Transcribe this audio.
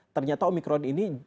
ternyata omikron ini